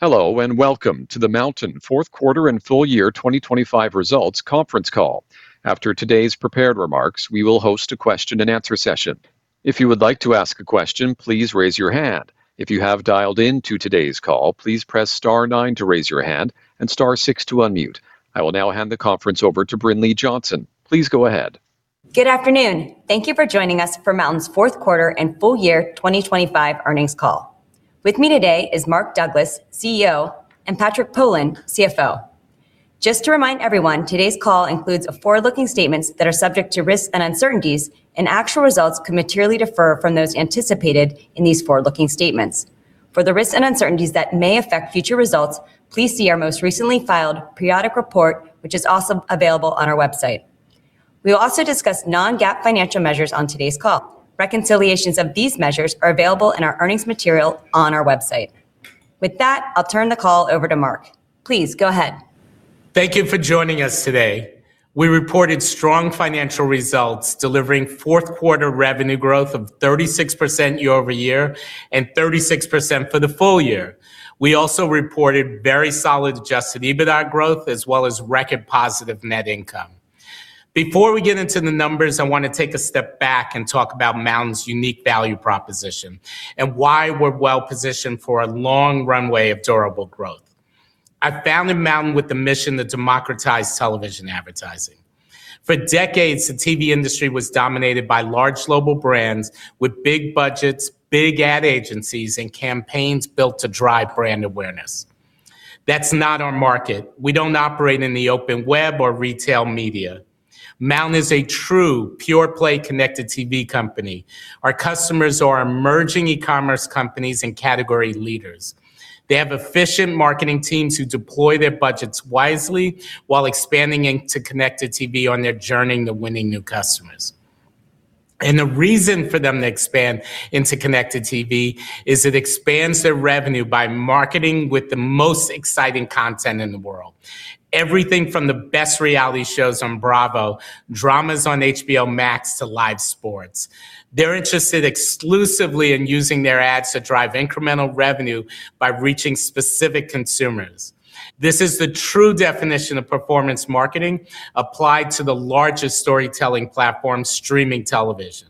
Hello, and welcome to the MNTN Fourth Quarter and Full Year 2025 Results Conference Call. After today's prepared remarks, we will host a question and answer session. If you would like to ask a question, please raise your hand. If you have dialed in to today's call, please press star nine to raise your hand and star six to unmute. I will now hand the conference over to Brinlea Johnson. Please go ahead. Good afternoon. Thank you for joining us for MNTN's fourth quarter and full year 2025 earnings call. With me today is Mark Douglas, CEO; and Chris Innes, CFO. Just to remind everyone, today's call includes forward-looking statements that are subject to risks and uncertainties, and actual results could materially differ from those anticipated in these forward-looking statements. For the risks and uncertainties that may affect future results, please see our most recently filed periodic report, which is also available on our website. We will also discuss non-GAAP financial measures on today's call. Reconciliations of these measures are available in our earnings material on our website. With that, I'll turn the call over to Mark. Please go ahead. Thank you for joining us today. We reported strong financial results, delivering fourth quarter revenue growth of 36% year-over-year and 36% for the full year. We also reported very solid Adjusted EBITDA growth, as well as record positive net income. Before we get into the numbers, I wanna take a step back and talk about MNTN's unique value proposition and why we're well-positioned for a long runway of durable growth. I founded MNTN with the mission to democratize television advertising. For decades, the TV industry was dominated by large global brands with big budgets, big ad agencies, and campaigns built to drive brand awareness. That's not our market. We don't operate in the open web or retail media. MNTN is a true pure play connected TV company. Our customers are emerging e-commerce companies and category leaders. They have efficient marketing teams who deploy their budgets wisely while expanding into connected TV on their journey to winning new customers. The reason for them to expand into connected TV is it expands their revenue by marketing with the most exciting content in the world. Everything from the best reality shows on Bravo, dramas on HBO Max, to live sports. They're interested exclusively in using their ads to drive incremental revenue by reaching specific consumers. This is the true definition of performance marketing applied to the largest storytelling platform, streaming television.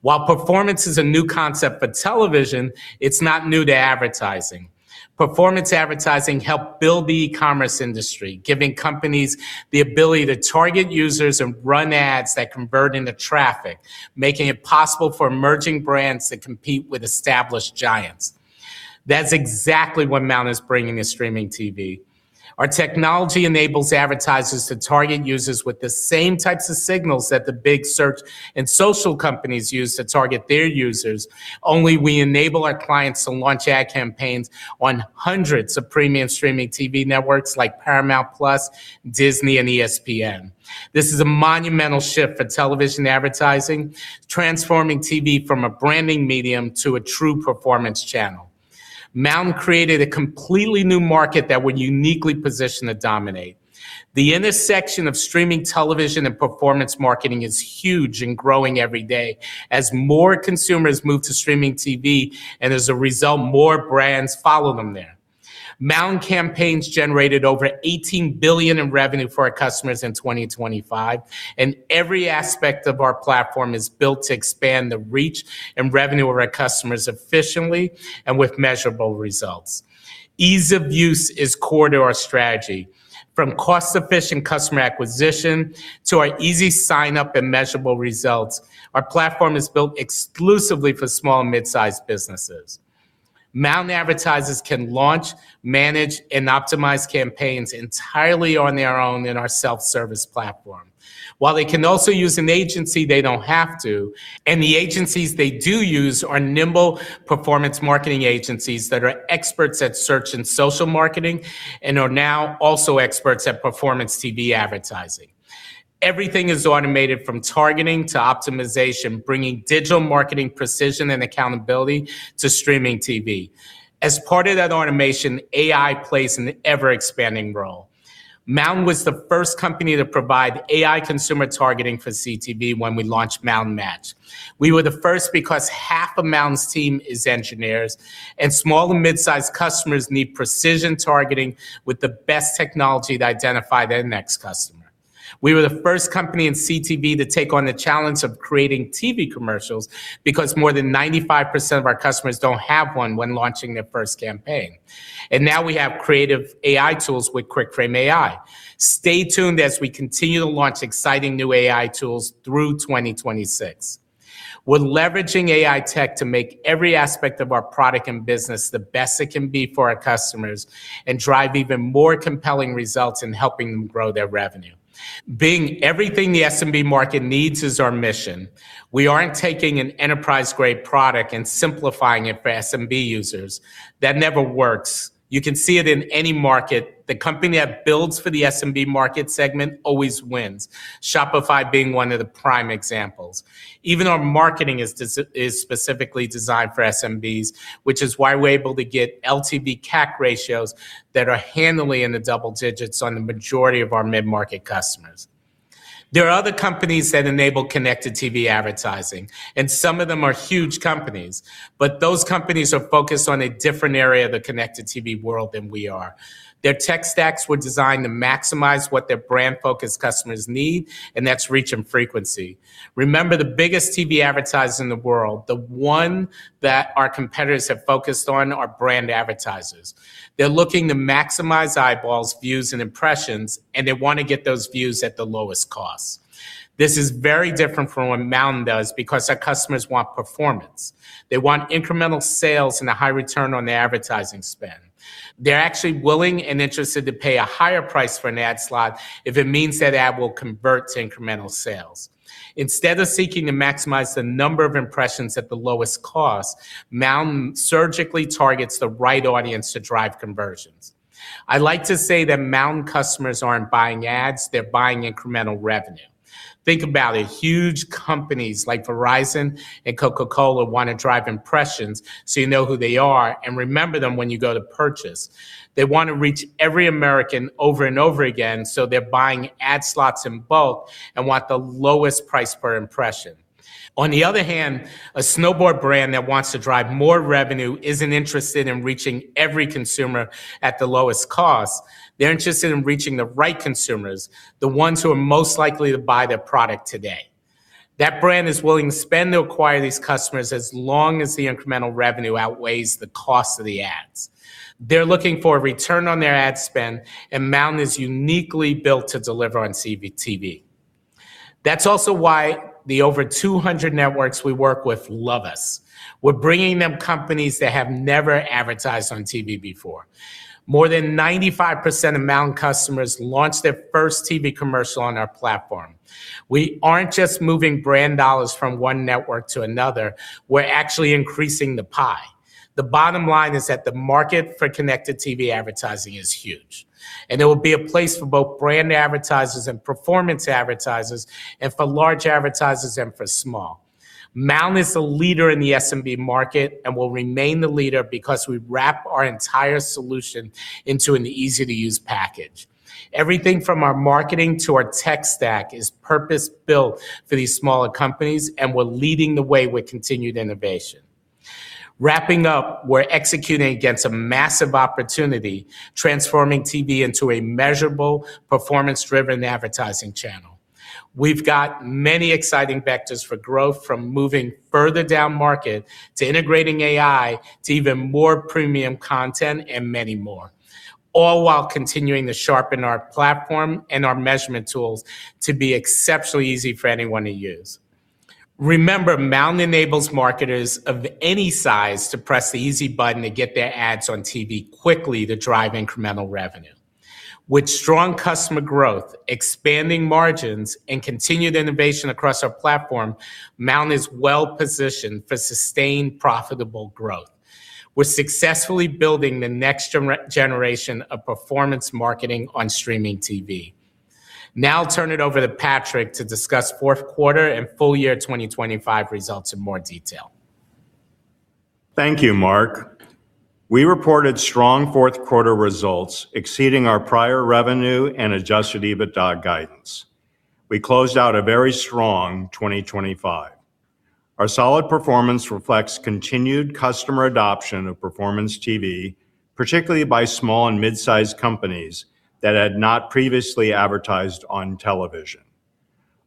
While performance is a new concept for television, it's not new to advertising. Performance advertising helped build the e-commerce industry, giving companies the ability to target users and run ads that convert into traffic, making it possible for emerging brands to compete with established giants. That's exactly what MNTN is bringing to streaming TV. Our technology enables advertisers to target users with the same types of signals that the big search and social companies use to target their users. Only we enable our clients to launch ad campaigns on hundreds of premium streaming TV networks like Paramount+, Disney, and ESPN. This is a monumental shift for television advertising, transforming TV from a branding medium to a true performance channel. MNTN created a completely new market that we're uniquely positioned to dominate. The intersection of streaming television and performance marketing is huge and growing every day as more consumers move to streaming TV, and as a result, more brands follow them there. MNTN campaigns generated over $18 billion in revenue for our customers in 2025, and every aspect of our platform is built to expand the reach and revenue of our customers efficiently and with measurable results. Ease of use is core to our strategy. From cost-efficient customer acquisition to our easy sign-up and measurable results, our platform is built exclusively for small and mid-sized businesses. MNTN advertisers can launch, manage, and optimize campaigns entirely on their own in our self-service platform. While they can also use an agency, they don't have to, and the agencies they do use are nimble performance marketing agencies that are experts at search and social marketing, and are now also experts at performance TV advertising. Everything is automated, from targeting to optimization, bringing digital marketing precision and accountability to streaming TV. As part of that automation, AI plays an ever-expanding role. MNTN was the first company to provide AI consumer targeting for CTV when we launched MNTN Match. We were the first because half of MNTN's team is engineers, and small and mid-sized customers need precision targeting with the best technology to identify their next customer. We were the first company in CTV to take on the challenge of creating TV commercials because more than 95% of our customers don't have one when launching their first campaign. And now we have creative AI tools with QuickFrame AI. Stay tuned as we continue to launch exciting new AI tools through 2026. We're leveraging AI tech to make every aspect of our product and business the best it can be for our customers and drive even more compelling results in helping them grow their revenue. Being everything the SMB market needs is our mission. We aren't taking an enterprise-grade product and simplifying it for SMB users. That never works. You can see it in any market. The company that builds for the SMB market segment always wins, Shopify being one of the prime examples. Even our marketing is specifically designed for SMBs, which is why we're able to get LTV:CAC ratios that are handily in the double digits on the majority of our mid-market customers. There are other companies that enable connected TV advertising, and some of them are huge companies, but those companies are focused on a different area of the connected TV world than we are. Their tech stacks were designed to maximize what their brand-focused customers need, and that's reach and frequency. Remember, the biggest TV advertisers in the world, the one that our competitors have focused on, are brand advertisers. They're looking to maximize eyeballs, views, and impressions, and they want to get those views at the lowest cost. This is very different from what MNTN does because our customers want performance. They want incremental sales and a high return on their advertising spend. They're actually willing and interested to pay a higher price for an ad slot if it means that ad will convert to incremental sales. Instead of seeking to maximize the number of impressions at the lowest cost, MNTN surgically targets the right audience to drive conversions. I like to say that MNTN customers aren't buying ads, they're buying incremental revenue. Think about it. Huge companies like Verizon and Coca-Cola want to drive impressions, so you know who they are and remember them when you go to purchase. They want to reach every American over and over again, so they're buying ad slots in bulk and want the lowest price per impression. On the other hand, a snowboard brand that wants to drive more revenue isn't interested in reaching every consumer at the lowest cost. They're interested in reaching the right consumers, the ones who are most likely to buy their product today. That brand is willing to spend to acquire these customers, as long as the incremental revenue outweighs the cost of the ads. They're looking for a return on their ad spend, and MNTN is uniquely built to deliver on CTV. That's also why the over 200 networks we work with love us. We're bringing them companies that have never advertised on TV before. More than 95% of MNTN customers launched their first TV commercial on our platform. We aren't just moving brand dollars from one network to another, we're actually increasing the pie. The bottom line is that the market for connected TV advertising is huge, and there will be a place for both brand advertisers and performance advertisers, and for large advertisers and for small. MNTN is the leader in the SMB market and will remain the leader because we wrap our entire solution into an easy-to-use package. Everything from our marketing to our tech stack is purpose-built for these smaller companies, and we're leading the way with continued innovation. Wrapping up, we're executing against a massive opportunity, transforming TV into a measurable, performance-driven advertising channel. We've got many exciting vectors for growth, from moving further down-market, to integrating AI, to even more premium content, and many more, all while continuing to sharpen our platform and our measurement tools to be exceptionally easy for anyone to use. Remember, MNTN enables marketers of any size to press the easy button to get their ads on TV quickly to drive incremental revenue. With strong customer growth, expanding margins, and continued innovation across our platform, MNTN is well positioned for sustained, profitable growth. We're successfully building the next generation of performance marketing on streaming TV. Now I'll turn it over to Chris to discuss fourth quarter and full year 2025 results in more detail. Thank you, Mark. We reported strong fourth quarter results exceeding our prior revenue and adjusted EBITDA guidance. We closed out a very strong 2025. Our solid performance reflects continued customer adoption of performance TV, particularly by small and mid-sized companies that had not previously advertised on television.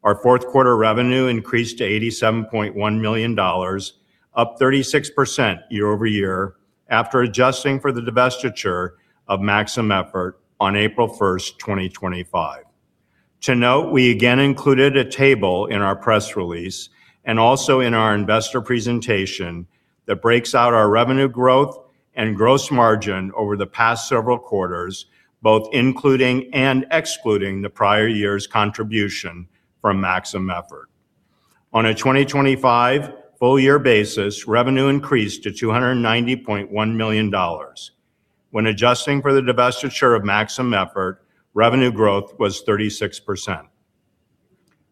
Our fourth quarter revenue increased to $87.1 million, up 36% year-over-year, after adjusting for the divestiture of Maximum Effort on April 1st, 2025. To note, we again included a table in our press release and also in our investor presentation, that breaks out our revenue growth and gross margin over the past several quarters, both including and excluding the prior year's contribution from Maximum Effort. On a 2025 full year basis, revenue increased to $290.1 million. When adjusting for the divestiture of Maximum Effort, revenue growth was 36%.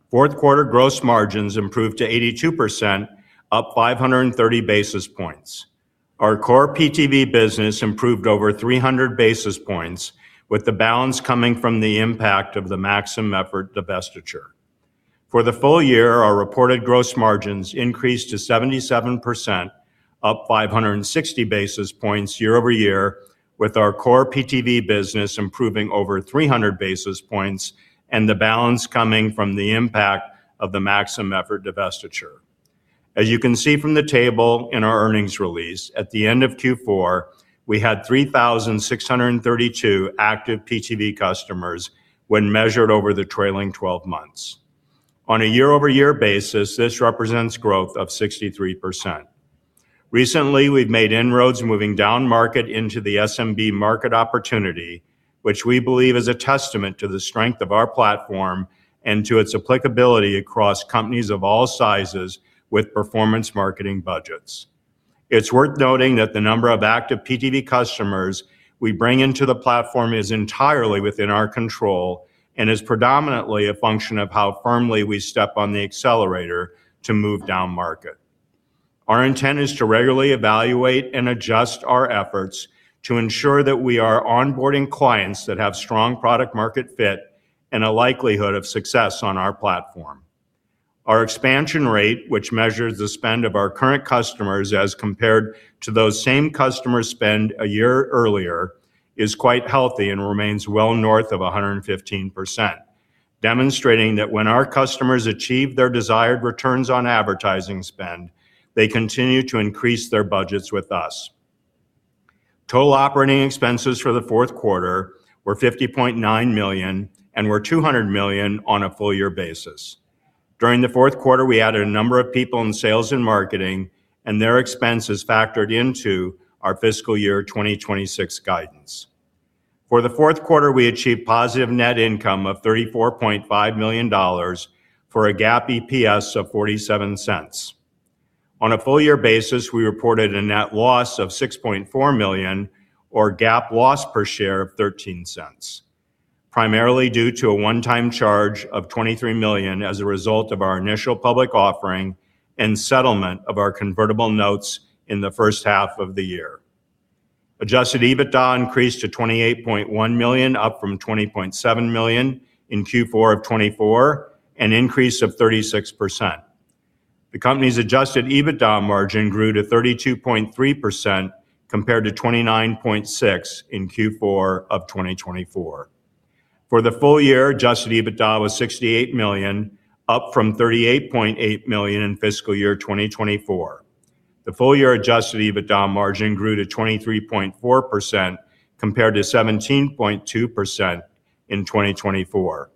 Fourth quarter gross margins improved to 82%, up 530 basis points. Our core PTV business improved over 300 basis points, with the balance coming from the impact of the Maximum Effort divestiture. For the full year, our reported gross margins increased to 77%, up 560 basis points year-over-year, with our core PTV business improving over 300 basis points and the balance coming from the impact of the Maximum Effort divestiture. As you can see from the table in our earnings release, at the end of Q4, we had 3,632 active PTV customers when measured over the trailing 12 months. On a year-over-year basis, this represents growth of 63%. Recently, we've made inroads moving down market into the SMB market opportunity, which we believe is a testament to the strength of our platform and to its applicability across companies of all sizes with performance marketing budgets. It's worth noting that the number of active PTV customers we bring into the platform is entirely within our control and is predominantly a function of how firmly we step on the accelerator to move down market. Our intent is to regularly evaluate and adjust our efforts to ensure that we are onboarding clients that have strong product-market fit and a likelihood of success on our platform. Our expansion rate, which measures the spend of our current customers as compared to those same customers' spend a year earlier, is quite healthy and remains well north of 115%, demonstrating that when our customers achieve their desired returns on advertising spend, they continue to increase their budgets with us. Total operating expenses for the fourth quarter were $50.9 million and were $200 million on a full-year basis. During the fourth quarter, we added a number of people in sales and marketing, and their expenses factored into our fiscal year 2026 guidance. For the fourth quarter, we achieved positive net income of $34.5 million for a GAAP EPS of $0.47. On a full year basis, we reported a net loss of $6.4 million, or GAAP loss per share of $0.13, primarily due to a one-time charge of $23 million as a result of our initial public offering and settlement of our convertible notes in the first half of the year. Adjusted EBITDA increased to $28.1 million, up from $20.7 million in Q4 of 2024, an increase of 36%. The company's adjusted EBITDA margin grew to 32.3%, compared to 29.6% in Q4 of 2024. For the full year, adjusted EBITDA was $68 million, up from $38.8 million in fiscal year 2024. The full-year adjusted EBITDA margin grew to 23.4%, compared to 17.2% in 2024.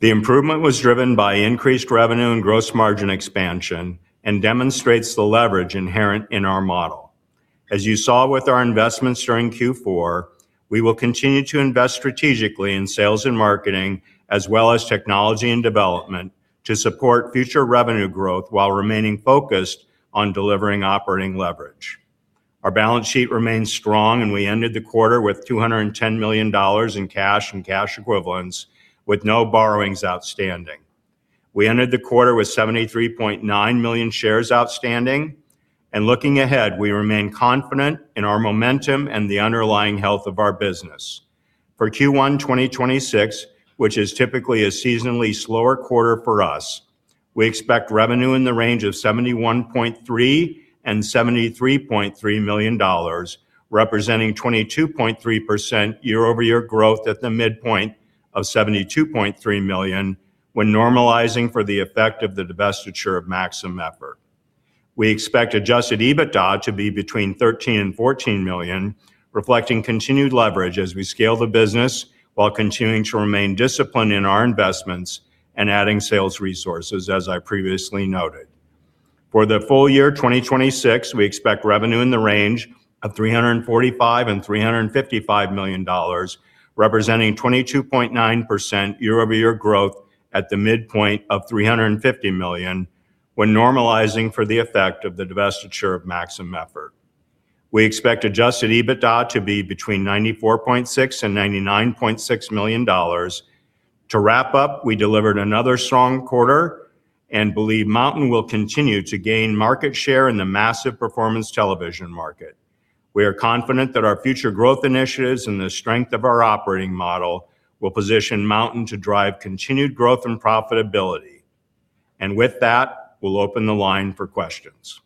The improvement was driven by increased revenue and gross margin expansion and demonstrates the leverage inherent in our model. As you saw with our investments during Q4, we will continue to invest strategically in sales and marketing, as well as technology and development, to support future revenue growth while remaining focused on delivering operating leverage. Our balance sheet remains strong, and we ended the quarter with $210 million in cash and cash equivalents, with no borrowings outstanding. We ended the quarter with 73.9 million shares outstanding, and looking ahead, we remain confident in our momentum and the underlying health of our business. For Q1 2026, which is typically a seasonally slower quarter for us, we expect revenue in the range of $71.3 million-$73.3 million, representing 22.3% year-over-year growth at the midpoint of $72.3 million, when normalizing for the effect of the divestiture of Maximum Effort. We expect Adjusted EBITDA to be between $13 million and $14 million, reflecting continued leverage as we scale the business, while continuing to remain disciplined in our investments and adding sales resources, as I previously noted. For the full year 2026, we expect revenue in the range of $345 million-$355 million, representing 22.9% year-over-year growth at the midpoint of $350 million, when normalizing for the effect of the divestiture of Maximum Effort. We expect Adjusted EBITDA to be between $94.6 million and $99.6 million. To wrap up, we delivered another strong quarter and believe MNTN will continue to gain market share in the massive performance television market. We are confident that our future growth initiatives and the strength of our operating model will position MNTN to drive continued growth and profitability. And with that, we'll open the line for questions.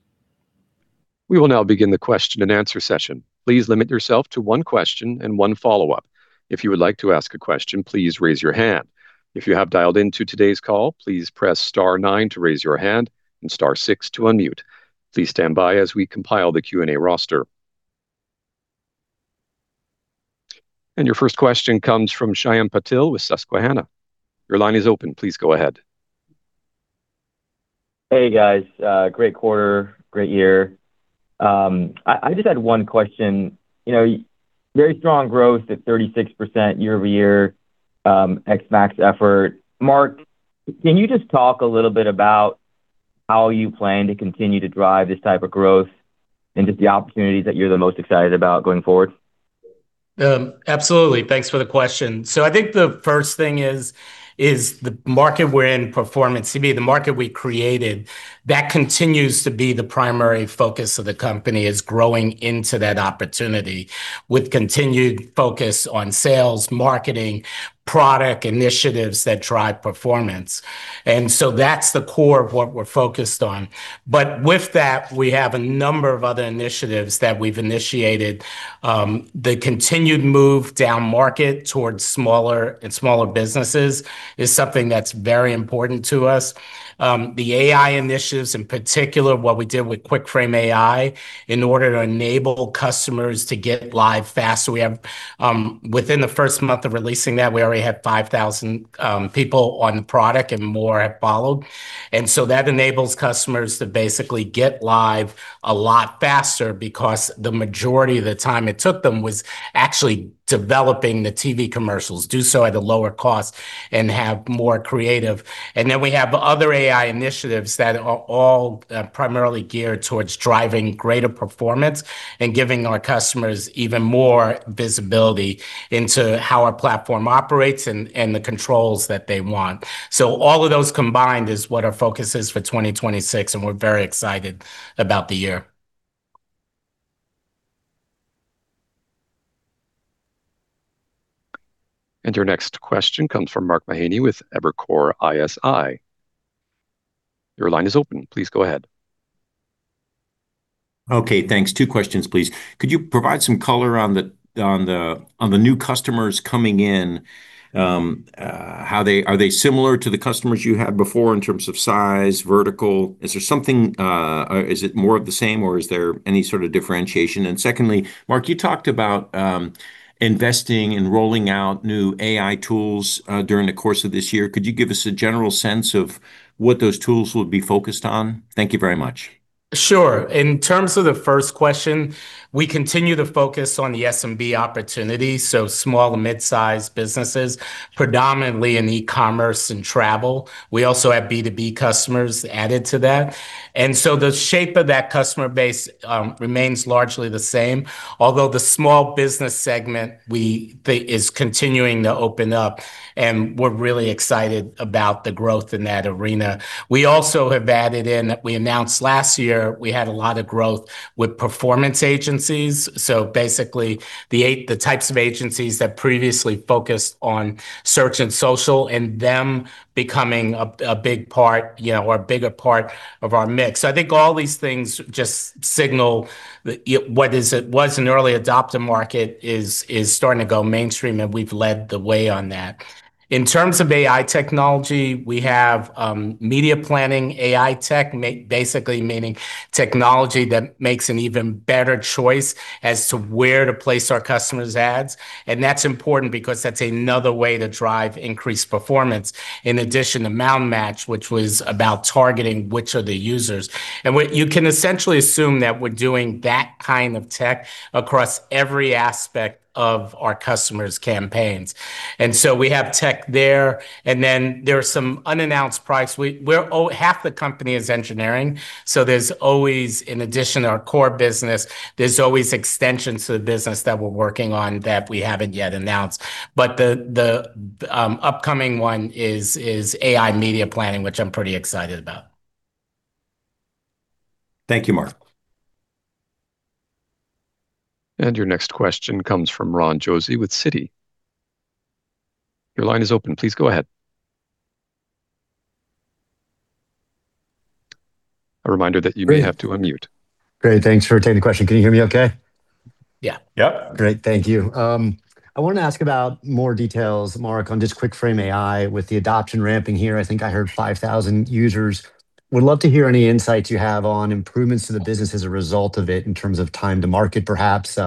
We will now begin the question-and-answer session. Please limit yourself to one question and one follow-up. If you would like to ask a question, please raise your hand. If you have dialed in to today's call, please press star nine to raise your hand and star six to unmute. Please stand by as we compile the Q&A roster. Your first question comes from Shyam Patil with Susquehanna. Your line is open. Please go ahead. Hey, guys. Great quarter, great year. I just had one question. You know, very strong growth at 36% year-over-year, ex Max Effort. Mark, can you just talk a little bit about how you plan to continue to drive this type of growth and just the opportunities that you're the most excited about going forward? Absolutely. Thanks for the question. So I think the first thing is the market we're in, Performance TV, the market we created, that continues to be the primary focus of the company, is growing into that opportunity with continued focus on sales, marketing, product initiatives that drive performance. And so that's the core of what we're focused on. But with that, we have a number of other initiatives that we've initiated. The continued move downmarket towards smaller and smaller businesses is something that's very important to us. The AI initiatives, in particular, what we did with QuickFrame AI, in order to enable customers to get live faster. We have within the first month of releasing that, we already had 5,000 people on the product, and more have followed. That enables customers to basically get live a lot faster because the majority of the time it took them was actually developing the TV commercials, do so at a lower cost, and have more creative. Then we have other AI initiatives that are all primarily geared towards driving greater performance and giving our customers even more visibility into how our platform operates and the controls that they want. So all of those combined is what our focus is for 2026, and we're very excited about the year. Your next question comes from Mark Mahaney with Evercore ISI. Your line is open. Please go ahead. Okay, thanks. Two questions, please. Could you provide some color on the new customers coming in? How are they similar to the customers you had before in terms of size, vertical? Is there something or is it more of the same, or is there any sort of differentiation? And secondly, Mark, you talked about investing and rolling out new AI tools during the course of this year. Could you give us a general sense of what those tools will be focused on? Thank you very much. Sure. In terms of the first question, we continue to focus on the SMB opportunity, so small- and mid-sized businesses, predominantly in e-commerce and travel. We also have B2B customers added to that. And so the shape of that customer base remains largely the same, although the small business segment, we think, is continuing to open up, and we're really excited about the growth in that arena. We also have added in, we announced last year, we had a lot of growth with performance agencies. So basically, the types of agencies that previously focused on search and social, and them becoming a big part, you know, or a bigger part of our mix. So I think all these things just signal that what was an early adopter market is starting to go mainstream, and we've led the way on that. In terms of AI technology, we have media planning, AI tech, basically meaning technology that makes an even better choice as to where to place our customers' ads, and that's important because that's another way to drive increased performance. In addition to MNTN Match, which was about targeting, which are the users. And what you can essentially assume that we're doing that kind of tech across every aspect of our customers' campaigns. And so we have tech there, and then there are some unannounced products. Over half the company is engineering, so there's always, in addition to our core business, there's always extensions to the business that we're working on that we haven't yet announced. But the upcoming one is AI media planning, which I'm pretty excited about. Thank you, Mark. Your next question comes from Ron Josey with Citi. Your line is open. Please go ahead. A reminder that you may have to unmute. Great. Thanks for taking the question. Can you hear me okay? Yeah. Yep. Great, thank you. I wanted to ask about more details, Mark, on just QuickFrame AI. With the adoption ramping here, I think I heard 5,000 users. Would love to hear any insights you have on improvements to the business as a result of it, in terms of time to market, perhaps,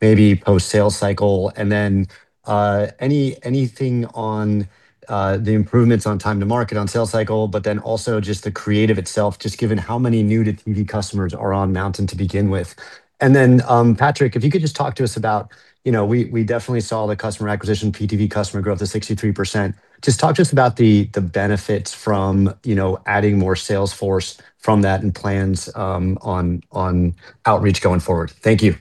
maybe post-sales cycle. And then, anything on the improvements on time to market, on sales cycle, but then also just the creative itself, just given how many new-to-TV customers are on MNTN to begin with. And then, Chris, if you could just talk to us about, you know, we definitely saw the customer acquisition, PTV customer growth of 63%. Just talk to us about the benefits from, you know, adding more sales force from that, and plans on outreach going forward. Thank you.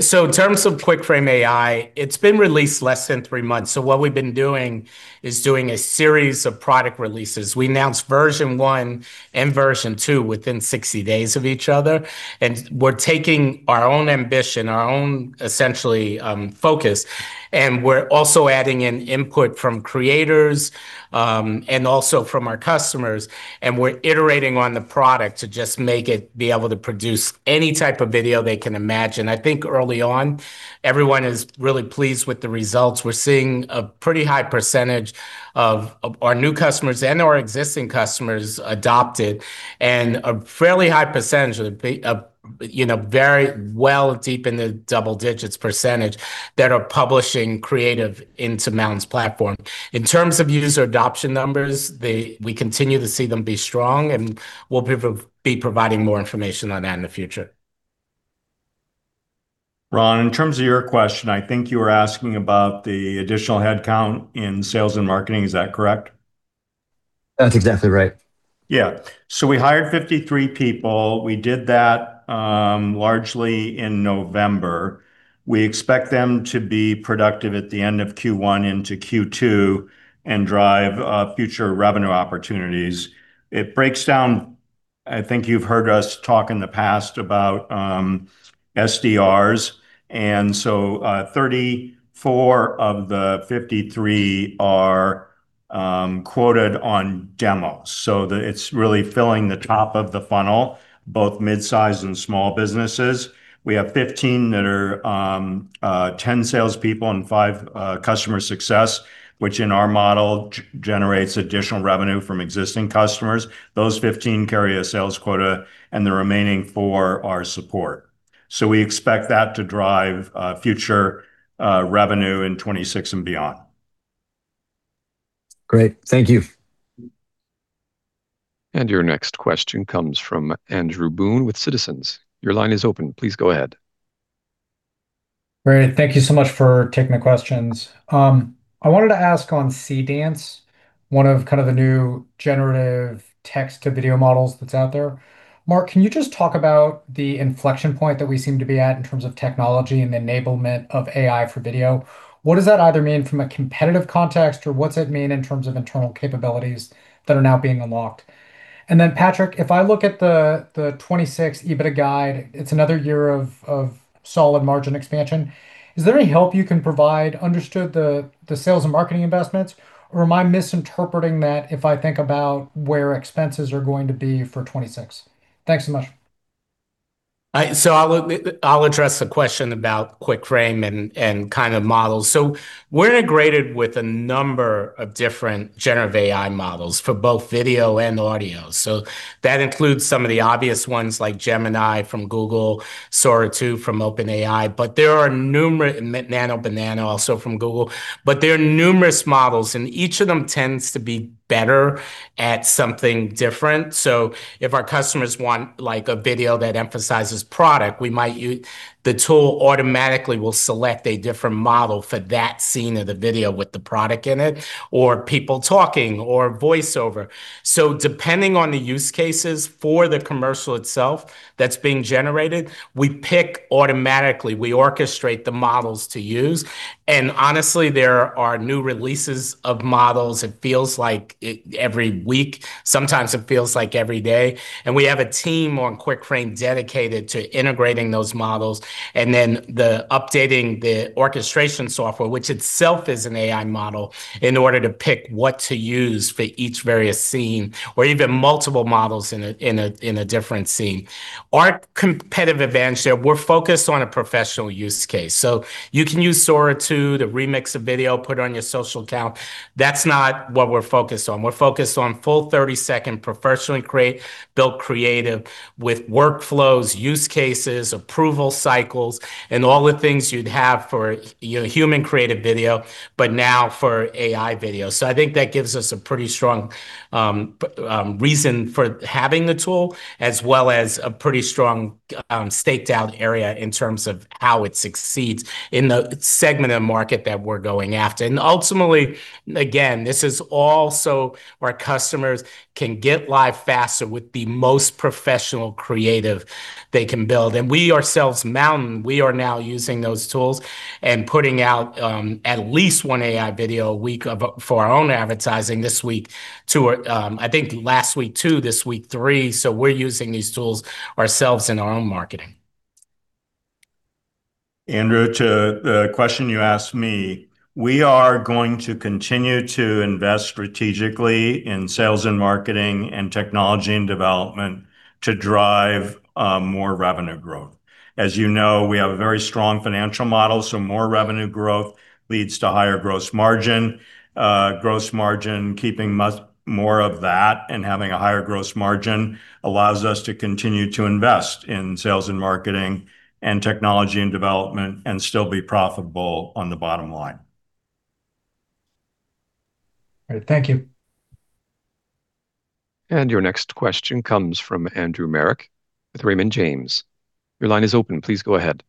So in terms of QuickFrame AI, it's been released less than three months, so what we've been doing is doing a series of product releases. We announced version one and version two within 60 days of each other, and we're taking our own ambition, our own, essentially, focus, and we're also adding in input from creators, and also from our customers, and we're iterating on the product to just make it be able to produce any type of video they can imagine. I think early on, everyone is really pleased with the results. We're seeing a pretty high percentage of our new customers and our existing customers adopt it, and a fairly high percentage of, you know, very well deep in the double digits percentage, that are publishing creative into MNTN's platform. In terms of user adoption numbers, we continue to see them be strong, and we'll be providing more information on that in the future. Ron, in terms of your question, I think you were asking about the additional headcount in sales and marketing. Is that correct? That's exactly right. Yeah. So we hired 53 people. We did that largely in November. We expect them to be productive at the end of Q1 into Q2 and drive future revenue opportunities. It breaks down. I think you've heard us talk in the past about SDRs, and so 34 of the 53 are quoted on demos. It's really filling the top of the funnel, both mid-sized and small businesses. We have 15 that are 10 salespeople and five customer success, which in our model generates additional revenue from existing customers. Those 15 carry a sales quota, and the remaining four are support. So we expect that to drive future revenue in 2026 and beyond. Great. Thank you. Your next question comes from Andrew Boone with Citizens. Your line is open. Please go ahead. Great, thank you so much for taking the questions. I wanted to ask on Sora, one of kind of the new generative text-to-video models that's out there. Mark, can you just talk about the inflection point that we seem to be at in terms of technology and the enablement of AI for video? What does that either mean from a competitive context, or what's it mean in terms of internal capabilities that are now being unlocked? And then, Chris, if I look at the, the 2026 EBITDA guide, it's another year of, of solid margin expansion. Is there any help you can provide, understood the, the sales and marketing investments, or am I misinterpreting that if I think about where expenses are going to be for 2026? Thanks so much. So I'll address the question about QuickFrame and kind of models. So we're integrated with a number of different generative AI models for both video and audio. So that includes some of the obvious ones like Gemini from Google, Sora 2 from OpenAI, but there are numerous, and Gemini Nano also from Google. But there are numerous models, and each of them tends to be better at something different. So if our customers want, like, a video that emphasizes product, we might use the tool automatically will select a different model for that scene of the video with the product in it, or people talking, or voiceover. So depending on the use cases for the commercial itself that's being generated, we pick automatically, we orchestrate the models to use. And honestly, there are new releases of models, it feels like every week. Sometimes it feels like every day. We have a team on QuickFrame dedicated to integrating those models, and then updating the orchestration software, which itself is an AI model, in order to pick what to use for each various scene, or even multiple models in a different scene. Our competitive advantage there, we're focused on a professional use case. So you can use Sora 2 to remix a video, put it on your social account. That's not what we're focused on. We're focused on full 30-second professionally created-built creative with workflows, use cases, approval cycles, and all the things you'd have for your human-created video, but now for AI video. So I think that gives us a pretty strong reason for having the tool, as well as a pretty strong staked-out area in terms of how it succeeds in the segment of the market that we're going after. And ultimately, again, this is also where customers can get live faster with the most professional creative they can build. And we ourselves, MNTN, we are now using those tools and putting out at least one AI video a week for our own advertising this week, I think last week, two, this week, three. So we're using these tools ourselves in our own marketing. Andrew, to the question you asked me, we are going to continue to invest strategically in sales and marketing and technology and development to drive more revenue growth. As you know, we have a very strong financial model, so more revenue growth leads to higher gross margin. Gross margin, keeping much more of that and having a higher gross margin allows us to continue to invest in sales and marketing, and technology and development, and still be profitable on the bottom line. All right. Thank you. Your next question comes from Andrew Marok with Raymond James. Your line is open. Please go ahead.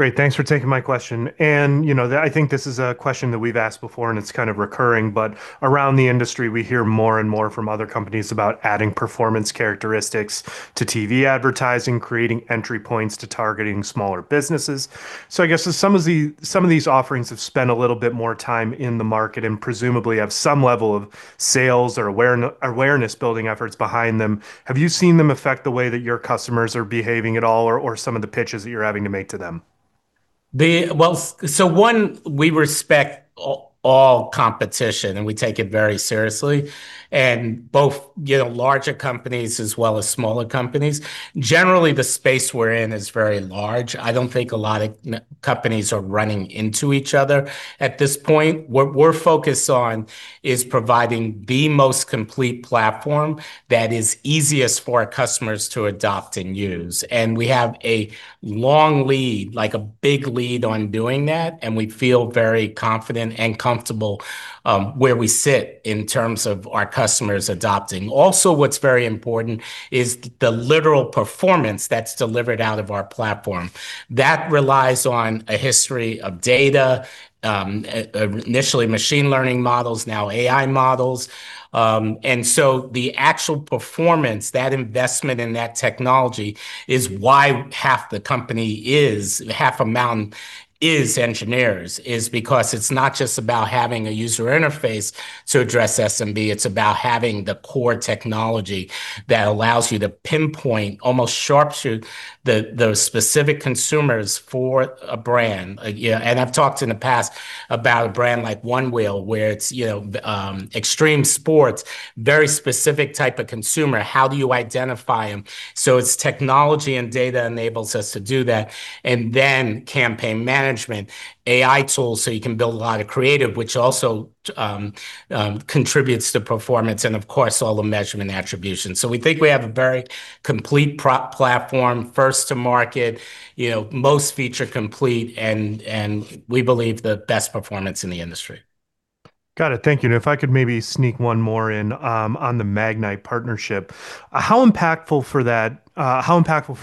Great, thanks for taking my question. You know, the, I think this is a question that we've asked before, and it's kind of recurring, but around the industry, we hear more and more from other companies about adding performance characteristics to TV advertising, creating entry points to targeting smaller businesses. So I guess as some of the, some of these offerings have spent a little bit more time in the market and presumably have some level of sales or awareness-building efforts behind them, have you seen them affect the way that your customers are behaving at all, or, or some of the pitches that you're having to make to them? Well, so one, we respect all competition, and we take it very seriously, and both, you know, larger companies as well as smaller companies. Generally, the space we're in is very large. I don't think a lot of companies are running into each other at this point. What we're focused on is providing the most complete platform that is easiest for our customers to adopt and use, and we have a long lead, like a big lead on doing that, and we feel very confident and comfortable where we sit in terms of our customers adopting. Also, what's very important is the literal performance that's delivered out of our platform. That relies on a history of data, initially machine learning models, now AI models. And so the actual performance, that investment in that technology, is why half the company is, half of MNTN is engineers, is because it's not just about having a user interface to address SMB, it's about having the core technology that allows you to pinpoint, almost sharpshoot, the, those specific consumers for a brand. Yeah, and I've talked in the past about a brand like Onewheel, where it's, you know, extreme sports, very specific type of consumer. How do you identify them? So it's technology and data enables us to do that, and then campaign management, AI tools, so you can build a lot of creative, which also, contributes to performance and, of course, all the measurement attribution. So we think we have a very complete platform, first to market, you know, most feature complete, and we believe the best performance in the industry. Got it. Thank you. And if I could maybe sneak one more in, on the Magnite partnership. How impactful for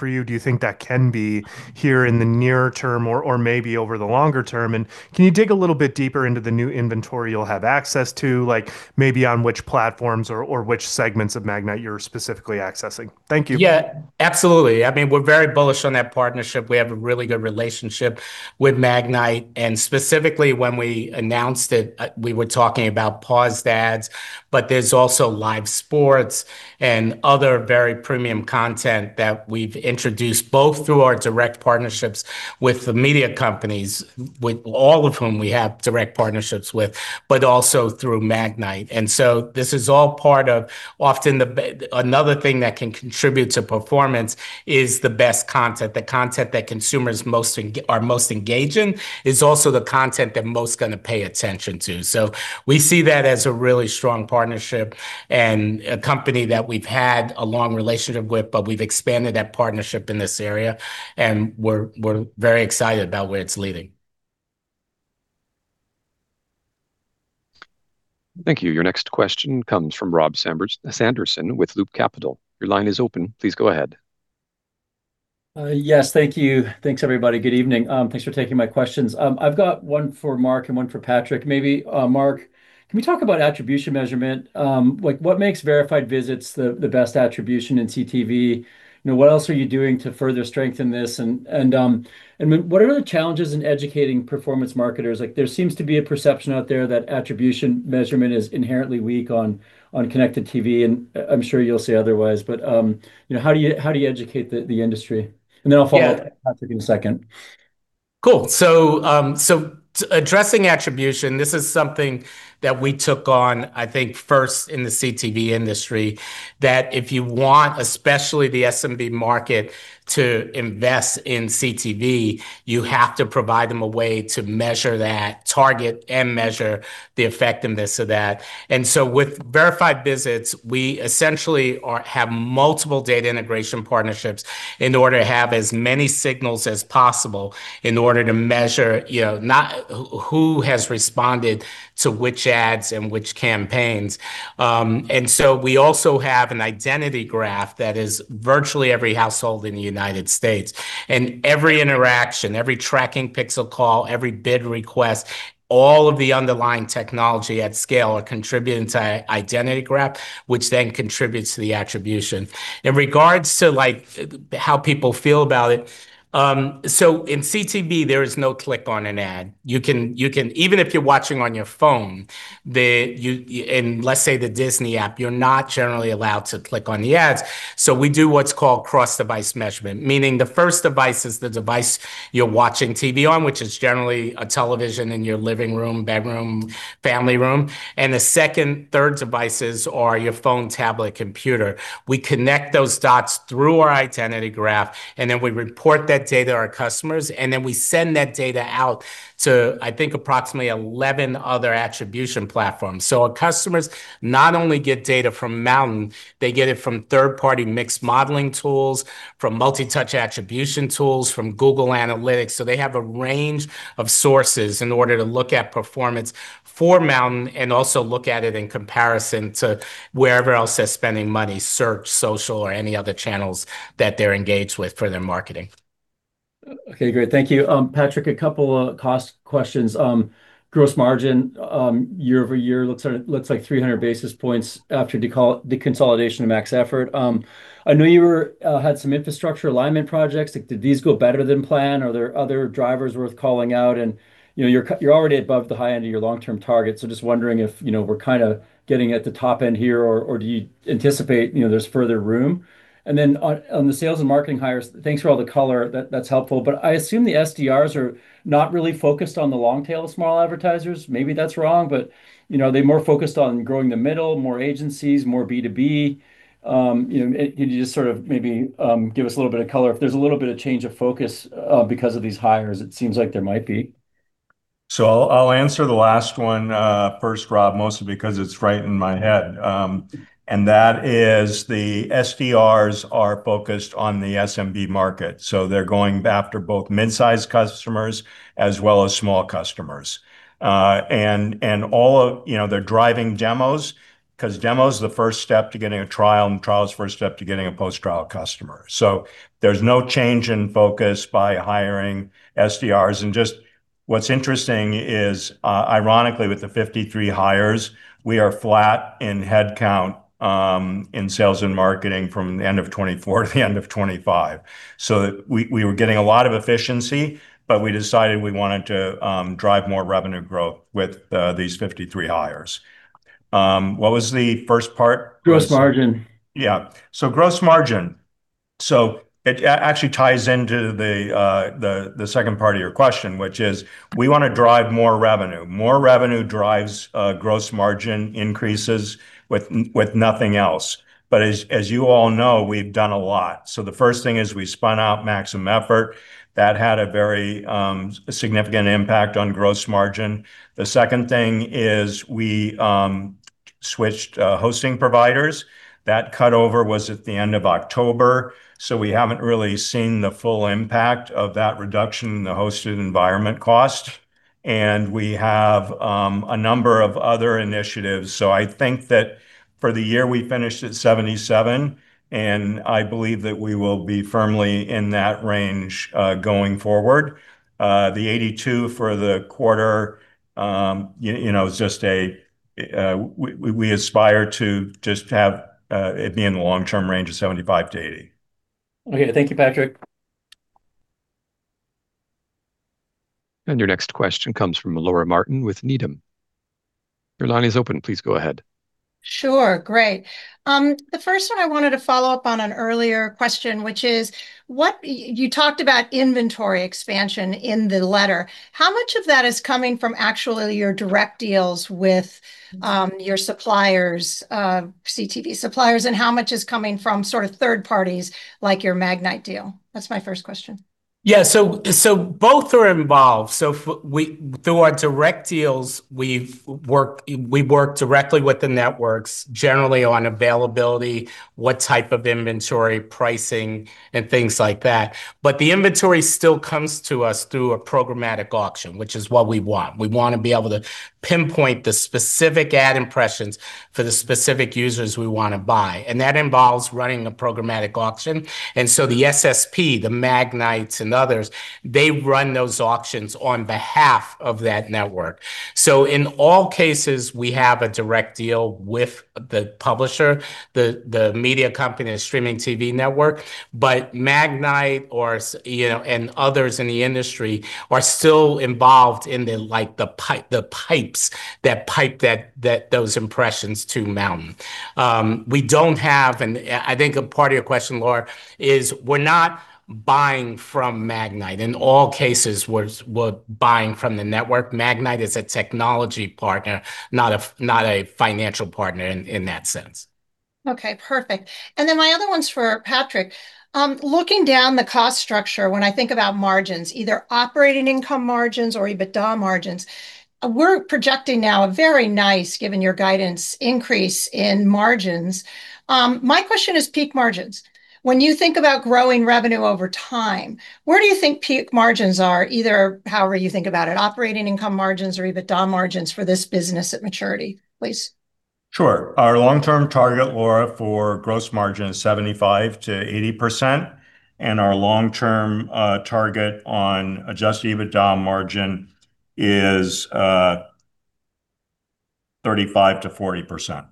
you do you think that can be here in the near term or, or maybe over the longer term? And can you dig a little bit deeper into the new inventory you'll have access to, like, maybe on which platforms or, or which segments of Magnite you're specifically accessing? Thank you. Yeah, absolutely. I mean, we're very bullish on that partnership. We have a really good relationship with Magnite, and specifically, when we announced it, we were talking about Pause Ads, but there's also live sports and other very premium content that we've introduced, both through our direct partnerships with the media companies, with all of whom we have direct partnerships with, but also through Magnite. And so this is all part of often, another thing that can contribute to performance is the best content. The content that consumers most are most engaging is also the content they're most gonna pay attention to. So we see that as a really strong partnership and a company that we've had a long relationship with, but we've expanded that partnership in this area, and we're very excited about where it's leading. Thank you. Your next question comes from Rob Sanderson with Loop Capital. Your line is open. Please go ahead. Yes, thank you. Thanks, everybody. Good evening. Thanks for taking my questions. I've got one for Mark and one for Chris. Maybe, Mark, can we talk about attribution measurement? Like, what makes Verified Visits the best attribution in CTV? You know, what else are you doing to further strengthen this, and then what are the challenges in educating performance marketers? Like, there seems to be a perception out there that attribution measurement is inherently weak on Connected TV, and I'm sure you'll say otherwise, but you know, how do you educate the industry? Yeah. Then I'll follow up with Chris in a second. Cool. So, addressing attribution, this is something that we took on, I think, first in the CTV industry, that if you want, especially the SMB market, to invest in CTV, you have to provide them a way to measure that target and measure the effectiveness of that. And so with Verified Visits, we essentially have multiple data integration partnerships in order to have as many signals as possible in order to measure, you know, not who has responded to which ads and which campaigns. And so we also have an Identity Graph that is virtually every household in the United States. And every interaction, every tracking pixel call, every bid request, all of the underlying technology at scale are contributing to an Identity Graph, which then contributes to the attribution. In regards to, like, how people feel about it, so in CTV, there is no click on an ad. You can even if you're watching on your phone, and let's say, the Disney app, you're not generally allowed to click on the ads, so we do what's called cross-device measurement, meaning the first device is the device you're watching TV on, which is generally a television in your living room, bedroom, family room, and the second, third devices are your phone, tablet, computer. We connect those dots through our Identity Graph, and then we report that data to our customers, and then we send that data out to, I think, approximately 11 other attribution platforms. So our customers not only get data from MNTN, they get it from third-party mixed modeling tools, from multi-touch attribution tools, from Google Analytics. They have a range of sources in order to look at performance for MNTN and also look at it in comparison to wherever else they're spending money, search, social, or any other channels that they're engaged with for their marketing. Okay, great. Thank you. Chris, a couple of cost questions. Gross margin, year-over-year looks sort of looks like 300 basis points after deconsolidation of Maximum Effort. I know you were had some infrastructure alignment projects. Like, did these go better than planned, or are there other drivers worth calling out? And, you know, you're already above the high end of your long-term target, so just wondering if, you know, we're kind of getting at the top end here, or, or do you anticipate, you know, there's further room? And then on the sales and marketing hires, thanks for all the color. That, that's helpful, but I assume the SDRs are not really focused on the long tail of small advertisers. Maybe that's wrong, but, you know, are they more focused on growing the middle, more agencies, more B2B? You know, could you just sort of maybe give us a little bit of color if there's a little bit of change of focus, because of these hires? It seems like there might be. So I'll answer the last one first, Rob, mostly because it's right in my head. And that is, the SDRs are focused on the SMB market, so they're going after both mid-sized customers as well as small customers. And all of, you know, they're driving demos, 'cause demo's the first step to getting a trial, and trial is the first step to getting a post-trial customer. So there's no change in focus by hiring SDRs. And just what's interesting is, ironically, with the 53 hires, we are flat in headcount in sales and marketing from the end of 2024 to the end of 2025. So we were getting a lot of efficiency, but we decided we wanted to drive more revenue growth with these 53 hires. What was the first part? Gross margin. Yeah. So gross margin, so it actually ties into the second part of your question, which is, we wanna drive more revenue. More revenue drives gross margin increases with nothing else. But as you all know, we've done a lot. So the first thing is we spun out Maximum Effort. That had a very significant impact on gross margin. The second thing is we switched hosting providers. That cutover was at the end of October, so we haven't really seen the full impact of that reduction in the hosted environment cost, and we have a number of other initiatives. So I think that for the year, we finished at 77, and I believe that we will be firmly in that range going forward. The 82 for the quarter, you know, is just a. We aspire to just have it be in the long-term range of 75-80. Okay, thank you, Patrick. Your next question comes from Laura Martin with Needham. Your line is open. Please go ahead. Sure, great. The first one, I wanted to follow up on an earlier question, which is, what you talked about inventory expansion in the letter. How much of that is coming from actually your direct deals with your suppliers, CTV suppliers, and how much is coming from sort of third parties, like your Magnite deal? That's my first question. Yeah, so both are involved. So we, through our direct deals, we've worked, we work directly with the networks, generally on availability, what type of inventory, pricing, and things like that. But the inventory still comes to us through a programmatic auction, which is what we want. We wanna be able to pinpoint the specific ad impressions for the specific users we wanna buy, and that involves running a programmatic auction. And so the SSP, the Magnite and others, they run those auctions on behalf of that network. So in all cases, we have a direct deal with the publisher, the media company and streaming TV network. But Magnite, you know, and others in the industry are still involved in the, like, the pipes, that pipe that those impressions to MNTN. We don't have, and I think a part of your question, Laura, is we're not buying from Magnite. In all cases, we're buying from the network. Magnite is a technology partner, not a financial partner in that sense. Okay, perfect. And then my other one's for Chris. Looking down the cost structure, when I think about margins, either operating income margins or EBITDA margins, we're projecting now a very nice, given your guidance, increase in margins. My question is peak margins. When you think about growing revenue over time, where do you think peak margins are, either however you think about it, operating income margins or EBITDA margins for this business at maturity, please? Sure. Our long-term target, Laura, for gross margin is 75%-80%, and our long-term target on Adjusted EBITDA margin is 35%-40%.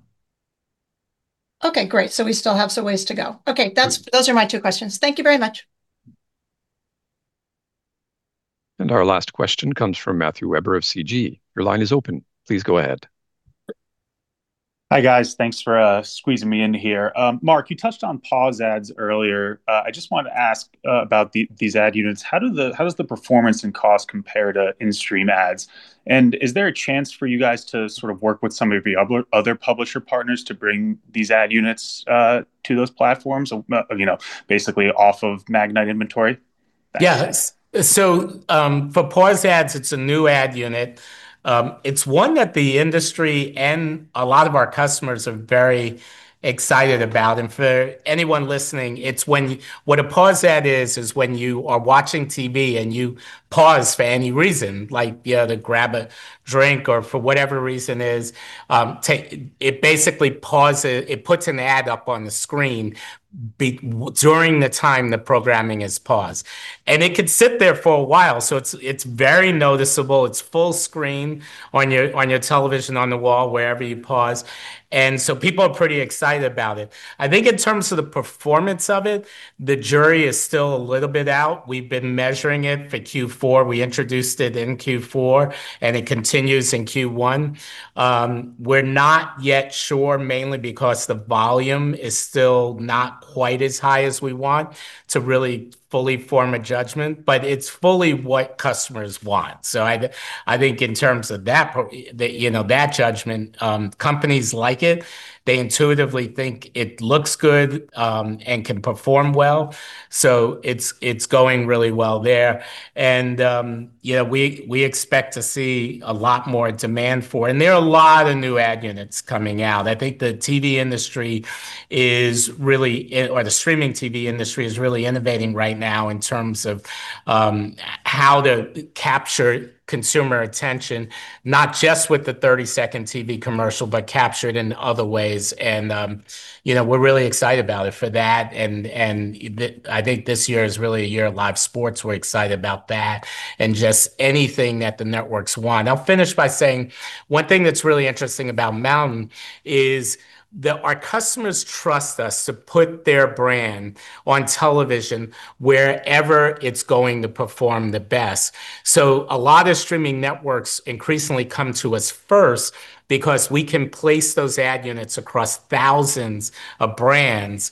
Okay, great, so we still have some ways to go. Okay. Sure. That's, those are my two questions. Thank you very much. Our last question comes from Matthew Weber of CG. Your line is open. Please go ahead. Hi, guys. Thanks for squeezing me in here. Mark, you touched on pause ads earlier. I just wanted to ask about these ad units. How does the performance and cost compare to in-stream ads? And is there a chance for you guys to sort of work with some of your other publisher partners to bring these ad units to those platforms, you know, basically off of Magnite inventory? Yeah. So, for Pause Ads, it's a new ad unit. It's one that the industry and a lot of our customers are very excited about. And for anyone listening, it's when—what a Pause Ad is, is when you are watching TV and you pause for any reason, like, you know, to grab a drink or for whatever reason, it basically pauses it, it puts an ad up on the screen during the time the programming is paused. And it could sit there for a while, so it's very noticeable. It's full screen on your television, on the wall, wherever you pause, and so people are pretty excited about it. I think in terms of the performance of it, the jury is still a little bit out. We've been measuring it for Q4. We introduced it in Q4, and it continues in Q1. We're not yet sure, mainly because the volume is still not quite as high as we want to really fully form a judgment, but it's fully what customers want. So I think in terms of that pro- you know, that judgment, companies like it, they intuitively think it looks good, and can perform well, so it's going really well there. And, you know, we expect to see a lot more demand for it. And there are a lot of new ad units coming out. I think the TV industry is really, or the streaming TV industry is really innovating right now in terms of how to capture consumer attention, not just with the thirty-second TV commercial, but capture it in other ways. You know, we're really excited about it for that. I think this year is really a year of live sports. We're excited about that and just anything that the networks want. I'll finish by saying one thing that's really interesting about MNTN is that our customers trust us to put their brand on television wherever it's going to perform the best. So a lot of streaming networks increasingly come to us first because we can place those ad units across thousands of brands,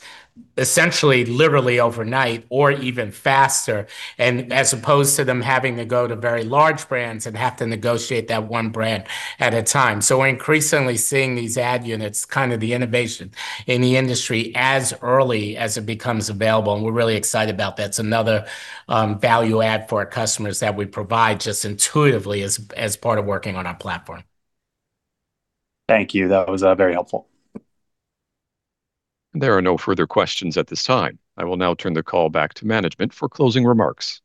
essentially, literally overnight or even faster, and as opposed to them having to go to very large brands and have to negotiate that one brand at a time. So we're increasingly seeing these ad units, kind of the innovation in the industry, as early as it becomes available, and we're really excited about that. It's another value add for our customers that we provide just intuitively as part of working on our platform. Thank you. That was very helpful. There are no further questions at this time. I will now turn the call back to management for closing remarks.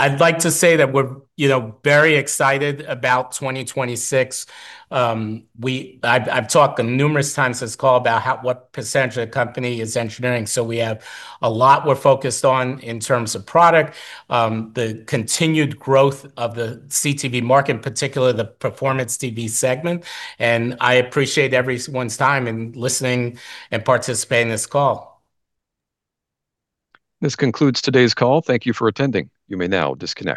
I'd like to say that we're, you know, very excited about 2026. I've talked numerous times this call about what potential the company is engineering. So we have a lot we're focused on in terms of product, the continued growth of the CTV market, in particular, the performance TV segment, and I appreciate everyone's time in listening and participating in this call. This concludes today's call. Thank you for attending. You may now disconnect.